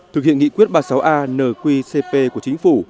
thực hiện nghị quyết ba mươi sáu a nqcp của chính phủ